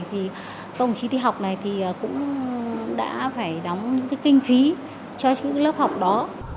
các đồng chí đi học này cũng đã phải đóng kinh phí cho lớp học đó